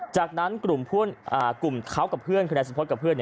จากนั้นกลุ่มเขากับเพื่อนคือนายสุพธกับเพื่อน